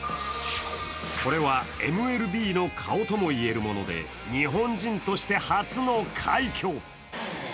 これはＭＬＢの顔とも言えるもので、日本人として初の快挙。